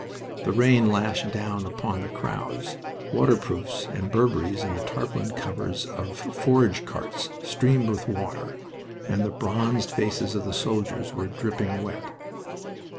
The rain lashed down upon the crowds; waterproofs and burberries and the tarpaulin covers of forage carts streamed with water, and the bronzed faces of the soldiers were dripping wet.